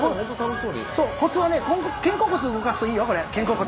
コツは肩甲骨を動かすといいよ肩甲骨。